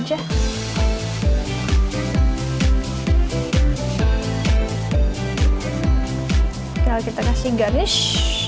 tinggal kita kasih garnish